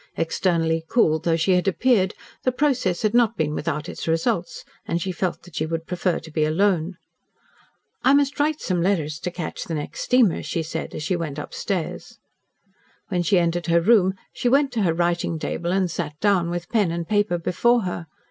Externally cool though she had appeared, the process had not been without its results, and she felt that she would prefer to be alone. "I must write some letters to catch the next steamer," she said, as she went upstairs. When she entered her room, she went to her writing table and sat down, with pen and paper before her.